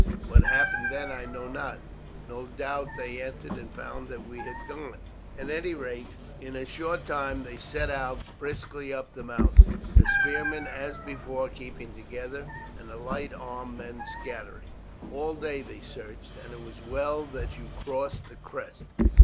What happened then I know not; no doubt they entered and found that we had gone. At any rate, in a short time they set out briskly up the mountain, the spearmen as before keeping together, and the light armed men scattering. "All day they searched, and it was well that you crossed the crest.